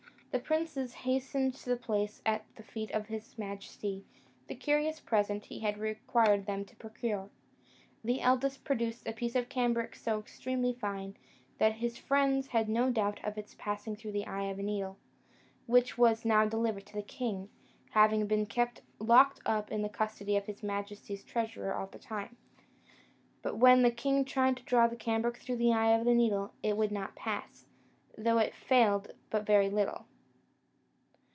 The princes hastened to place at the feet of his majesty the curious present he had required them to procure. The eldest produced a piece of cambric so extremely fine, that his friends had no doubt of its passing through the eye of a needle, which was now delivered to the king, having been kept locked up in the custody of his majesty's treasurer all the time. But when the king tried to draw the cambric through the eye of the needle, it would not pass, though it failed but very little.